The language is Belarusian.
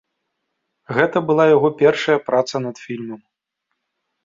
Гэта была яго першая праца над фільмам.